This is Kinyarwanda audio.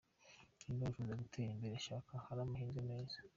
Niba wifuza gutera imbere, shaka ahari amahirwe meza.